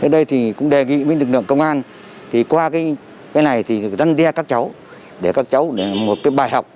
ở đây thì cũng đề nghị với lực lượng công an thì qua cái này thì răn đe các cháu để các cháu một cái bài học